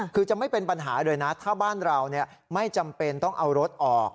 คือจะไม่เป็นปัญหาเลยนะถ้าบ้านเราไม่จำเป็นต้องเอารถออก